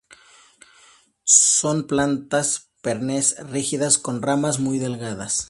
Son plantas perennes rígidas con ramas muy delgadas.